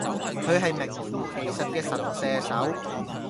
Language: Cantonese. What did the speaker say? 佢係名副其實嘅神射手